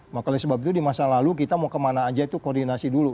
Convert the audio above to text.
makanya sebab itu di masa lalu kita mau kemana aja itu koordinasi dulu